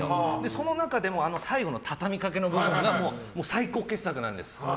その中でも最後の畳みかけの部分が最高傑作なんです。